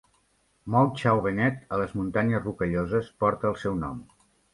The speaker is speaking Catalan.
Mount Chauvenet a les Muntanyes Rocalloses porta el seu nom.